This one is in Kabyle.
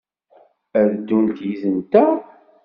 Ad d-ddunt yid-nteɣ?